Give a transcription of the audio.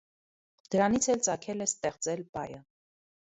Դրանից էլ ծագել է «ստեղծել )» բայը։